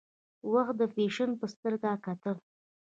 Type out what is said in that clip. وخت د فیشن په سترګه کتل.